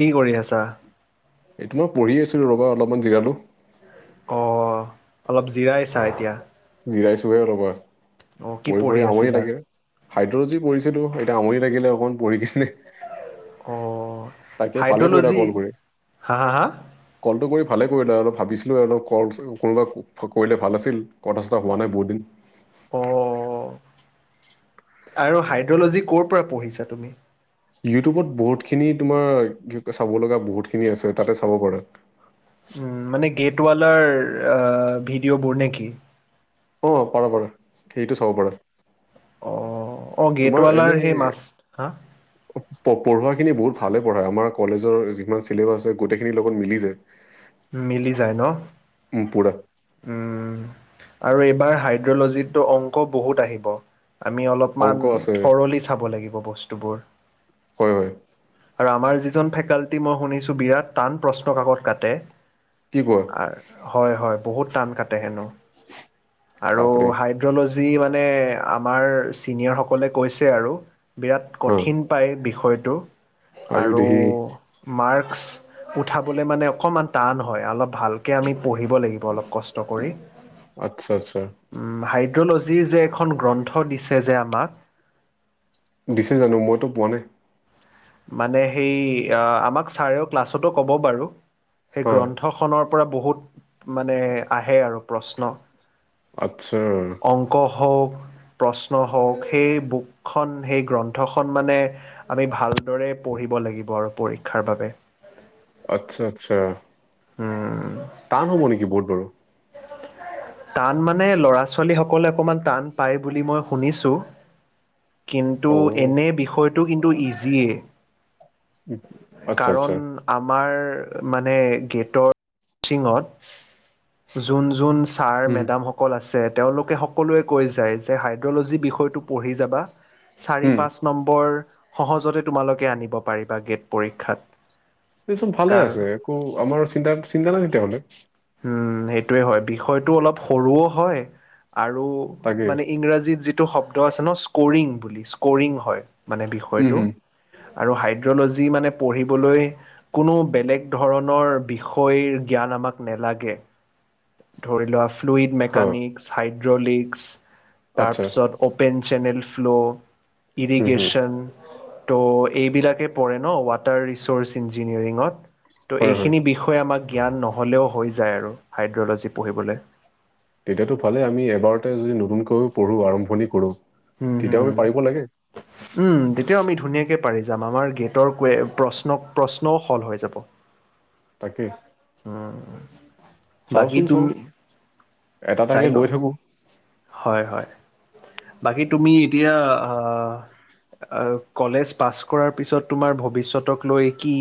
কি কৰি আছা? এইটো মই পঢ়ি আছিলোঁ ৰবা অলপমান জিৰালো। অ', অলপ জিৰাই চা এতিয়া। জিৰাইছোহে অলপা অ' কি পৰি পঢ়ি পৰি আমনি আছিলা? থাকে। হাইড্ৰলজি পঢ়িছেলো এতিয়া আমনি লাগিলে অ'কণ পঢ়িছিলে। অ' তাকে ভালে কৰিলা হাইড্ৰলজি ক'ল কৰিলা। হা হা হা ক'লটো কৰি ভালে কৰিলে অলপ ভাবিছিলোঁ অলপ ক'ল কোনোবা কৰিলে ভাল আছিল। কথা চথা হোৱা নাই বহুদিন। অ', আৰু হাইড্ৰলজি ক'ৰ পৰা পঢ়িছা তুমি? ইউটিউবত বহুতখিনি তোমাৰ কি চাব লগা বহুতখিনি আছে তাতে চাব পাৰ। মানে গেটৱালাৰ ভিডিঅ'বোৰ নে কি? অ', পাৰা পাৰ সেইটো চাব পাৰ। অ', অ', গেটৱালাৰ এনেই সেই মাছ হা পঢ়োৱাখিনি বহুত ভালে পঢ়ায় আমাৰ কলেজৰ যিমান চিলেবাছ আছে গোটেইখিনিৰ লগত মিলি যায়। মিলি যায় ন। পুৰা। উম, আৰু এইবাৰ হাইড্ৰলজিতো অংক বহুত আহিব আমি অলপ অংক অলপমান আছে থৰলি চাব লাগিব বস্তুবোৰ হয়, হয়। আৰু আমাৰ যিজন ফেকাল্টি মই শুনিছোঁ বিৰাট টান প্ৰশ্ন কাকত কাটে। কি কয়। হয়, হয় বহুত কে হেনো আৰু বাপৰে হাই দ্ৰলজি মানে আমাৰ ছিনিয়ৰসকলে কৈছে আৰু বিৰাট হা কঠিন পায় বিষয়টো আয়ো আৰু দেহি মাৰ্ক্স উঠাব মানে অকমান টান হয় অলপ ভালকে আমি পঢ়িব লাগিব। অলপ কষ্ট কৰি আচ্ছা, আচ্ছা। হাইড্ৰলজিৰ যে এখন গ্ৰন্থ দিছে যে আমাক দিছে জানো মইতো পোৱা নাই। মানে সেই আমাক ছাৰে ক্লাছতো ক'ব বাৰ সেই হা গ্ৰন্থ খনৰ পৰা বহুত মানে আহে আৰু প্ৰশ্ন। আচ্ছা। অংক হওক প্ৰশ্ন হওক সেই বুকখন সেই গ্ৰন্থখন মানে আমি ভাল দৰে পঢ়িব লাগিব আৰু পৰীক্ষাৰ বাবে আচ্ছা আচ্ছা উম টান হ' নেকি বুত বাৰু টান মানে ল'ৰা ছোৱালী সকলে অকমান টান পায় বুলি মই শুনিছো কিন্তু অ এনে বিষয়টো কিন্তু ইজিয়ে উম, আচ্ছা আচ্ছা কাৰণ আমাৰ মানে গেটৰ চিঙত যোন যোন ছাৰ উম মেডামসকল আছে তেওঁলোকে সকলোৱে কৈ যায় যে হাইড্ৰ'ল'জি বিষয়টো পঢ়ি যাবা চাৰি উম পাঁচ নম্বৰ সহজতে তোমালোকে আনিব পাৰিবা গেট পৰীক্ষাত এই চব ভালে কাৰ আছে একো আমাৰ চন্তা চিন্তা নাই তেতিয়াহলে উম সেইটোয়ে হয় বিষয়টো অলপ সৰুও হয় আৰু তাকে মানে ইংৰাজীত যিটো শব্দ আছে ন স্কৰিং বুলি স্কৰিং হয় মানে উম বিষয়টো হুম আৰু হাইড্ৰ'লজি মানে পঢ়িবলৈ কোনো বেলেগ ধৰণৰ বিষয়ৰ জ্ঞান আমাক নালাগে ধৰি লোৱা ফ্লুইড হা মেকানিক্ছ হাইড্ৰলিক্স আচ্ছা তাৰপিছত অ'পেন চেনেল ফ্ল' হুম হুম ইৰিগেশ্যন ত' এইবিলাকে পৰে ন ৱাটাৰ ৰিচৰ্চ ইঞ্জিনিয়াৰিঙত ত' হয় হয় এইখিনি বিষয়ে আমাক জ্ঞান নহ'লেও হৈ যায় আৰু হাইড্ৰলজি পঢ়িবলৈ তেতিয়াতো ভালে আমি এবাৰতে যদি নতুনকৈও পঢ়ো আৰম্ভণি কৰো উম তেতিয়াও হম আমি পাৰিব লাগে উম তেতিয়াও আমি ধুনীয়াকে পাৰি যাম আমাৰ গেটৰ ক প্ৰশ্ন প্ৰশ্নও শল্ হৈ যাব তাকে উ বাকী চাওচোন চাও তুমি এটা চাই এটাকে গৈ লোৱা থাকো হয় হয় বাকী তুমি এতিয়া আহ কলেজ পাছ কৰাৰ পিছত তোমাৰ ভৱিষ্যতক লৈ কি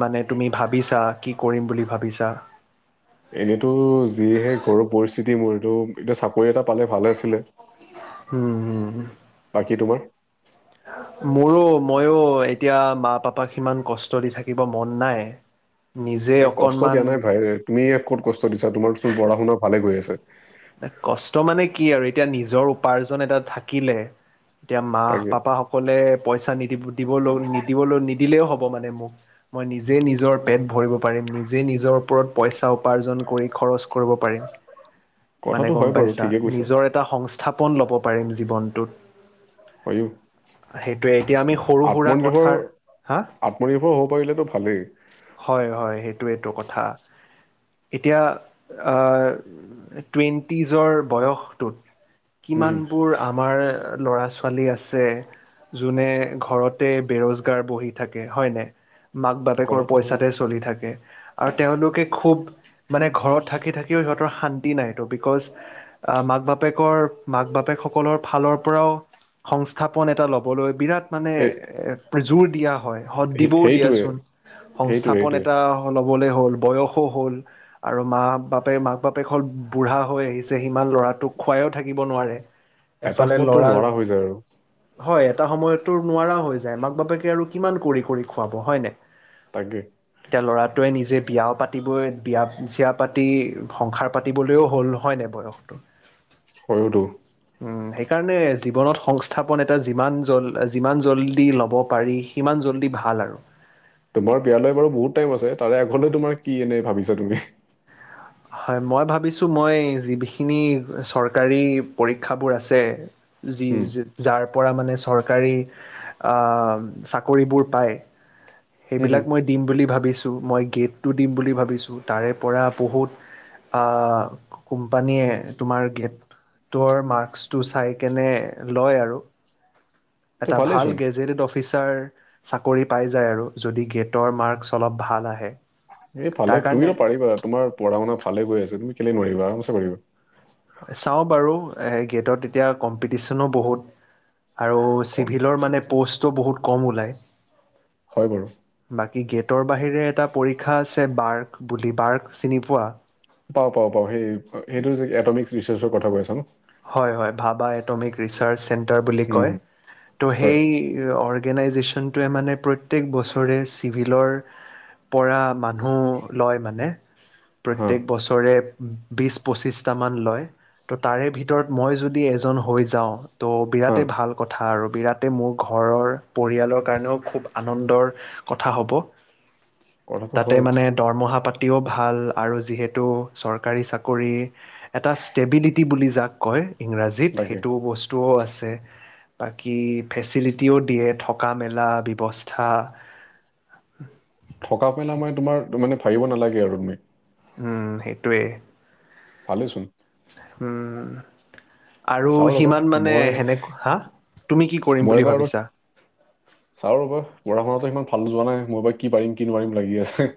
মানে তুমি ভাবিছা কি কৰিম বুলি ভাবিছা এনেইতো যিহে ঘৰুৱৰ পৰিস্থিতি মোৰ এইটো এতিয়া চাকৰি এটা পালে ভালে আছিলে উম হুম বাকী তোমাৰ মোৰো মইয়ো এতিয়া মা পাপাক সিমান কষ্ট দি থাকিব মন নাই নিজে এ কষ্ট দিয়া অকনমান নাই ভাই তুমি ক'ত কষ্ট দিছ তোমাৰচোন পঢ়া শুনা ভালে গৈ আছে কষ্ট মানে কি আৰু এতিয়া নিজৰ উপাৰ্জন এটা থাকিলে এতিয়া মা তাকে পাপা সকলে পইচা নিদ দিব ল নি দিবলৈ নিদিলেও হ'ব মানে মোক মই নিজে নিজৰ পেট ভৰিব পাৰিম নিজে নিজৰ ওপৰত পইচা উপাৰ্জন কৰি খৰচ কৰিব পাৰিম মানে কথাটো গম হয় বাৰু পাইছা ঠিকে কৈছা নিজৰ এটা সংস্থাপন লব পাৰিম জীৱনটোত হয় সেইটোৱে এতিয়া আমি সৰু সুৰা আত্মনিৰ্ভৰ কথাৰ হা আত্মনিৰ্ভৰ হ'ব পাৰিলেতো ভালেই হয় হয় সেইটোৱটো কথা এতিয়া টুৱেণ্টিজৰ বয়সটোত উম কিমানবোৰ আমাৰ ল'ৰা ছোৱালী আছে যোনে ঘৰতে বেৰজগাৰ বহি থাকে হয়নে মাক বাপেকৰ কথাটো হয় পইচাতে চলি থাকে আৰু তেওঁলোকে খুব মানে ঘৰত থাকি থাকিও সিহঁতৰ শান্তি নাই তো বিকজ আহ মাক বাপেকৰ মাক বাপেক সকলৰ ফালৰ পৰাও সংস্থাপন এটা ল'বলৈ বিৰাট মানে এ জোৰ দিয়া হয় সদ সে- দিবও সেইটোৱে দিয়াচোন সেইটোৱে সংস্থাপন সেইটোৱে এটা ল'বলৈ হ'ল বয়সো হ'ল আৰু মাক বাপেক মাক বাপেখন বুঢ়া হৈ আহিছে যে সিমান ল'ৰাটোক খুৱাইো থাকিব নোৱাৰে এটা এফালে সময়ত তোৰ ল'ৰা নোৱাৰা হৈ যায় আৰু হয় এটা সময়তো নোৱাৰা হৈ যায় মাক বাপেকে আৰু কিমান কৰি কৰি খুৱাব হয় নাই তাকে এতিয়া ল'ৰাটোৱে নিজে বিয়াও পাতিবই বিয়া চিয়া পাতি সংসাৰ পাতি বুলিও হ'ল হয় নে বয়সটো সৰুটো উম সেইকাৰণে জীৱনত সংস্থাপন এটা যিমান জ যিমান জল্দি ল'ব পাৰি সিমান জল্দি ভাল আৰু তোমাৰ বিয়ালৈ বাৰু বহুত টাইম আছে তাৰে আগৰলৈ তোমাৰ কি এনে ভাবিছা তুমি? হয় মই ভাবিছোঁ মই যিখিনি চৰকাৰী পৰীক্ষাবোৰ আছে যি উম যাৰ পৰা মানে চৰকাৰী চাকৰিবোৰ পায় হম সেইবিলাক হম মই দিম বুলি ভাবিছোঁ মই গেটটো দিম বুলি ভাবিছোঁ তাৰে পৰা বহুত কোম্পানীয়ে তোমাৰ গেট তৰ মাক্সটো চাই কেনে লয় আৰু ত এটা ভালেই ভাল চোন গেজেটেড অফিচাৰ চাকৰি পাই যায় আৰু। যদি গেটৰ মাৰ্কছ অলপ ভাল আহে। এই ভালে তাৰ তুমিতো কাৰণে পাৰিবা তোমাৰ পঢ়া শুনা ভালে গৈ আছ তুমি কেলে নোৱাৰিবা আৰাম ছে পাৰিবা চাওঁ বাৰু গেটত এতিয়া কম্পিটিচনো বহুত আৰু চিভিলৰ কম্পিটিচন মানে আছে পোষ্টও কম ওলাই হয় বাৰু বাকী গেটৰ বাহিৰে এটা পৰীক্ষা আছে বাৰ্ক বুলি বাৰ্ক চিনি পোৱা পা পা পাও সেই সেইটো যে এটমিক্ ৰিচাৰ্চৰ কথা কৈ আছা ন হয় হয় ভাবা এটমিক ৰিচাৰ্চ চেণ্টাৰ বুলি উম কয় হুম, যদিও ত হয় সেই অৰ্গনাইগেচন নটোৱে মানে প্ৰত্যেক বছৰে চিভিলৰ পৰা মানুহ লয় মানে হা প্ৰত্যেক বছৰে বিছ পঁচিছটামান লয় ত' তাৰে ভিতৰত ভিতৰত মই যদি এজন হৈ যাওঁ ত' হা বিৰাটেই ভাল কথা আৰু বিৰাটেই মোৰ ঘৰৰ পৰিয়ালৰ কাৰণেও খুব আনন্দৰ কথা হ'ব কথাটো তাতে হয় মানে দৰমহা পাতিও ভাল আৰু যিহেতু চৰকাৰী চাকৰি এটা ষ্টেবিলিটি বুলি যাক কয় ইংৰাজীত তাকে সেইটো বস্তু আছে বাকী ফেচিলিটিও দিয়ে থকা মেলা ব্যৱস্থা থকা পেলাই মানে তোমাৰ মানে ভাবিব নালাগে আৰু তুমি সেইটোৱেই ভালেচোন হম আৰু চাওঁ ৰ'বা সিমান মানে মই সেনেক হা তুমি কি কৰিম মই বুলি বাৰু ভাবিছা চাওঁ ৰব পঢ়া শুনাতো ইমান ভাল যোৱা নাই মই বা কি পাৰিম কি নোৱাৰিম লাগি আছে।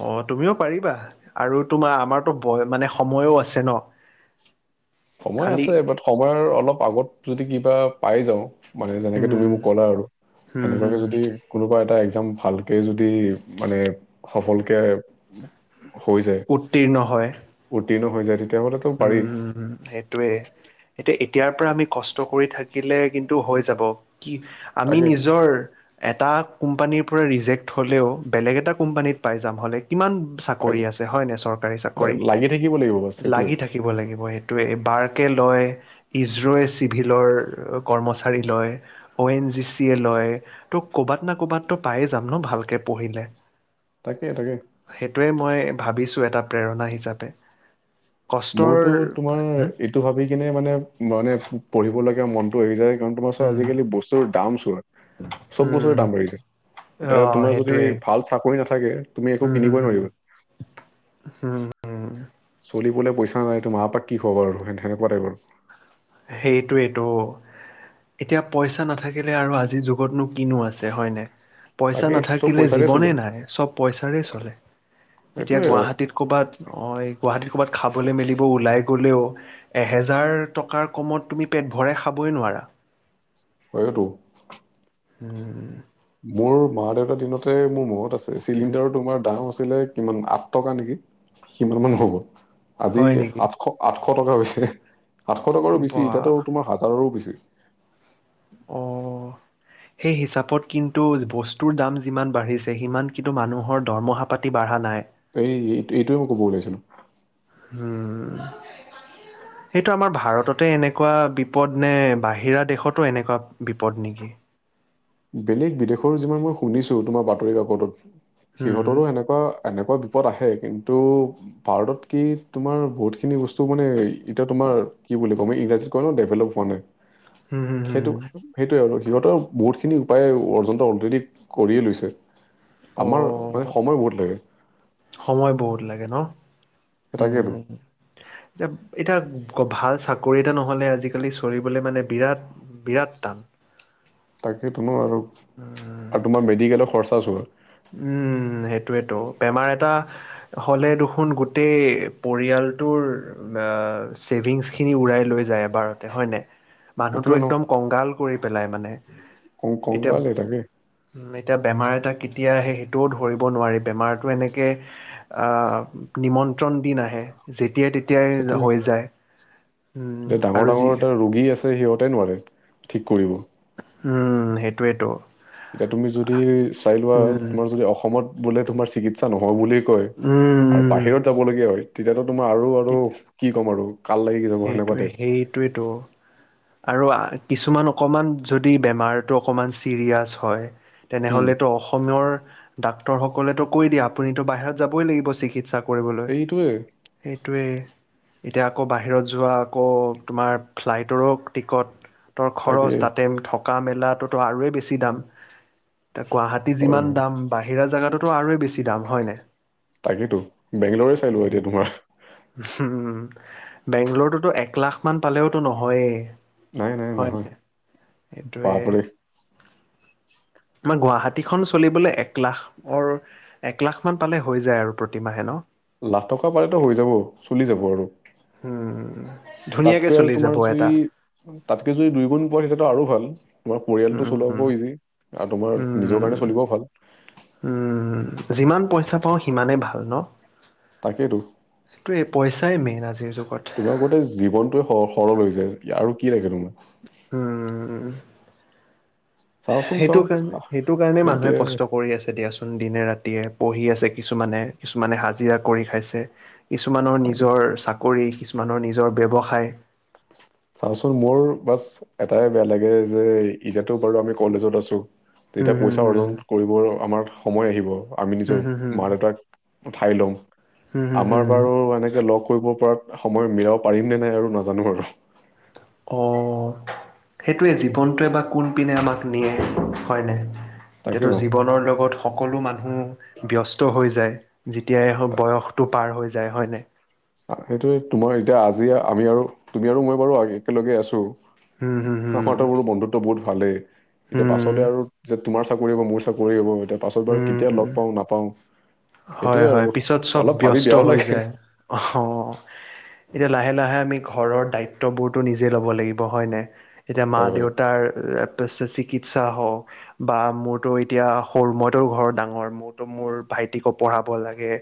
অ তুমিও পাৰিবা আৰু তোমাৰ আমাৰতো বয় মানে সময়ো আছে ন সময় খালি আছে বাট সময়ৰ অলপ আগত যদি কিবা পাই যাওঁ মানে যেনেকে তুমি উম মোক ক'লা আৰু হম সেনেকুৱাকে হম যদি কোনোবা এটা একজাম ভাল ভালকে যদি মানে সফলকৈ উত্তীৰ্ণ হয়। উত্তীৰ্ণ হৈ যায় তেতিয়াহলত উম উম হুম সেই এতিয়া এতিয়াৰ পৰা আমি কষ্ট কৰি থাকিলে কিন্তু হৈ যাব কি আমি তাকে নিজৰ এটা কোম্পানীৰ পৰা ৰিজেক্ট হ'লেও বেলেগ এটা কোম্পানীত পাই যাম হ'লে। কিমান পাই চাকৰি যাম আছে হয় ন চৰকাৰী এটা চাকৰি লাগি থাকিব লাগিব বাচ সেইটোৱে লাগি থাকে থখিব লাগিব সেইটোৱে বাৰকে লয় ইজৰয়ে চিভিলৰ কৰ্মচাৰী লয় অ' এন জি চি এ লয় ত' কৰ'ৰবাত না ক'ৰবাত তো পায়ে যাম ন ভালকে পঢ়িলে তাকেই তাকে সেইটোৱে মই ভাবিছো এটা প্ৰেৰণা হিচাপে কষ্টৰ মোৰতো তোমাৰ হুম এইটো ভাবি কিনে মানে মানে পঢ়িব লগগীয়া মন ি যায় কাৰণ তোমাৰ ও হুম আজিকালি বস্তুৰ দাম চোৱা চব হুম বস্তুৰ দাম বাঢ়ি যায় এতিয়া অ' তোমাৰ যদি সেইটোৱে ভাল চাকৰি নাথাকে তুমি একো কিনিবই নোৱাৰিবা হম চলিবলৈ পইচা নাই তো মাৰাপাক কি খব আৰু তে তেনেকুৱ াই ব আৰু সেইটোৱটো এতিয়া পইচা নাথাকিলে আৰু আজিৰ যুগতনো কিনো আছে হয়নে পইচা তাকেই চব নাথাকিলে পইচাৰে চলে জীৱনে নাই চব পইচাৰে চলে এতিয়া সেইটোৱে আৰু গুৱাহাটীত ক'ৰবাত গুৱাহাটীত ক'ৰবাত খাবলৈ মেলিব ওলাই গ'লেও এহেজাৰ টকাৰ কমত তুমি পেট ভৰাই খাবই নোৱাৰা হয়তো উম মোৰ মা -দেউতাৰ দিনতে মোৰ মনত আছে চিলিণ্ডাৰৰ তোমাৰ দাম আছিলে কিমান আঠ টকা নেকি কিমান মান হ'ব আজি হয় নেকি আঠশ আঠশ টকা হৈছে আঠশ টকাৰো বেছি বা এতিয়াতো তোমাৰ হাজাৰৰো বেছি অঁ সেই হিচাপত কিন্তু বস্তুৰ দাম যিমান বাঢ়িছে সিমান কিন্তু মানুহৰ দৰমহা পাতি বাঢ়া নাই। এই-এইটোৱে টো মই ক'ব ওলাইছিলোঁ উম সেইটো আমাৰ ভাৰততে এনেকুৱা বিপদ নে বাহিৰা দেশতো এনেকুৱা বিপদ নেকি বেলেগ বিদেশৰো যিমান মই শুনিছো তোমাৰ বাতৰি কাকতত হুম সিহঁতৰো সেনেক- এনেকুৱা এনেকুৱা বিপদ আহে কিন্তু ভাৰতত কি তোমাৰ বহুতখিনি বস্তু মানে এতিয়া তোমাৰ কি বুলি ক' আমি ইংৰাজীত কয় ন ডেভেলপ হোৱা নাই উম হুম সেইটো- হুম সেইটোয়ে আৰু সিহঁতৰো বহুত- খিনি উপায়ে অৰ্জন্ত অলৰেডি কৰিয়ে লৈছে অ আমাৰ মানে সময় বহুত লাগে। সময় বহুত লাগে ন তাকেতো উম এতি -এতিয়া ভাল চাকৰি এটা নহ'লে আজিকালি চৰিবলৈ মানে বিৰাট বিৰাট টান তাকেই তোনো আৰু আৰ তোমাৰ মেডিকেলৰ খৰচা চোৱা উম সেইটোয়েতো বেমাৰ এটা হ'লে দেখোন গোটেই পৰিয়ালটোৰ ছেভিংছ খিনি উৰাই লৈ যায় এবাৰতে হয় নাই মানুহটো সেইটোয়ে ন একদম কংগাল কৰি পেলাই মানে কং কং ভালে থাকে উ এতিয়া বেমাৰ এটা কেতিয়া আহে সেইটোও ধৰিব নোৱাৰি বেমাৰতটো এনেকে অহ নিমন্ত্ৰণ দিন আহে যেতিয়াই তেতিয়াই সেইটোয়ে হৈ যায় উম, এতিয়া ডাঙৰ আৰু যি ডাঙৰ এটা ৰোগী আছে সিহঁতে নোৱাৰে ঠিক কৰিব উম সেইটোয়েতো এতিয়া তুমি যদি চাই লোৱা উম, তোমাৰ যদি অসমত বোলে তোমাৰ চিকিৎসা নহয় বুলি কয় উম, আৰু বাহিৰত উম, যাবলগীয়া হয় তেতিয়াতো তোমাৰ আৰু আৰু কি ক'ম আৰু কাল লা [unintelligible] সেইটোৱে সেইটোৱেতো আৰু কিছুমান অকণমান যদি বেমাৰটো অকণমান ছিৰিয়াছ হয় উম তেনেহ'লেতো অসমীয়ৰ ডাক্তৰসকলেতো কৈ দিয়ে আপুনিতো বাহিৰত যাবই লাগিব চিকিৎসা। - কৰিবলৈ এইটোৱে সেইটোৱেই এতিয়া আকৌ বাহিৰত যোৱা আকৌ তোমাৰ ফ্লাইটৰো টিকট তৰ তাকে খৰচ তাতে থকা মেলাটোতো আৰুয়ে বেছি দাম গুৱাহাটী হয় যিমান হয় দাম বাহিৰা জাগাতো আৰু বেছি দাম হয় নাই তাকেইতো বেংগলৰে চাইলো এতিয়া তোমাৰ উম বেংগলৰতটো এক লাখ মান পালেওতো নহয়েই নাই নাই নহয় হয়নে এইটোৱে বাপৰে আমাৰ গুৱাহাটীখন চলিবলে এক লাখৰ এক লাখ মান পালে হৈ যায় আৰু প্ৰতিমাহে ন লাখ টকা পালেতো হৈ যাব চলি যাব আৰু উম হুম ধুনীয়াকৈ চলি যাব এটা তাতকে যদি দুই গুণ পোৱা তেতিয়াটো আৰু ভাল। তোমাৰ পৰিয়ালটো উম চলাবও ইজি আৰু তোমাৰ নিজৰ উম কাৰণে চলিবও ভাল উম যিমান পইচা পাওঁ সিমানেই ভাল ন তাকেইেতো সেইটোৱে পইচাই মেইন আজিৰ যুগত তোমাৰ আগতে জীৱনটোৱে সহ সৰল যায় আৰু কি লাগে নো উম চাওচোন চাও সেইটো কাৰণ সেইটো কাৰণে মানুহে এতিয়া কষ্ট কৰে কৰি আছে দিয়াচোন দিনে ৰাতিয়ে পঢ়ি আছে কিছুমানে কিছুমানে হাজিৰা কৰি খাইছে। কিছুমানৰ তাকে। নিজৰ চাকৰি কিছুমানৰ নিজৰ ব্যৱসায় চাওঁচোন মোৰ বাচ এটাই বেয়া লাগে যে এতিয়াতো বাৰু আমি কলেজত আছো তেতিয়া হম হম পইচা হম অৰ্জন কৰিব আমাৰ সময় আহিব আমি নিজো হম হম হম মা দেউতাকঠাই ল'ম হুম হুম আমাৰ হুম বাৰু এনেকৈ লগ কৰিব পৰাত সময় মিলাব পাৰিম নে নাই আৰু নাজানো আৰু অ', সেইটোৱে জীৱনটোৱে বা কোনপিনে আমাক নিয়ে হয়নে তাকে এতিয়াতো ভাবো জীৱনৰ লগত সকলো মানুহ ব্যস্ত হৈ যায়। যেতিয়াই বয়সটো পাৰ হৈ যায় হয়নে সেইটো তোমাৰ এতিয়া আজি আমি আৰু তুমি আৰু মই বাৰু একেলগে আছো উম উম উম তোৰো বন্ধুত্ব বহুতালেই এতিয়া পাছলে আৰু যে তোমাৰ চাকৰি হব মোৰ চাকৰি হ'ব এ পাছত বাৰ হুম কেতিয়া লগ হুম পাওঁ নাপাওঁ হয় সেইটোয়ে আৰু হয় পিছত চব অলপ ভাবি ব্যস্ত বেয়াও হৈ লাগে। যায় অ' এতিয়া লাহে লাহে আমি ঘৰৰ দ্বায়িত্ববোৰতো নিজে ল'ব লাগিব হয় নে এতিয়া মা হয় হয় দেউতাৰ চিকিৎসা হওঁক বা মোৰতো এতিয়া সৰু মইতো ঘৰ ডাঙৰ মোৰতো মোৰ ভাইটিকো পঢ়াব লাগে